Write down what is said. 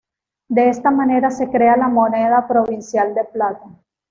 De esta manera se crea la moneda provincial de plata.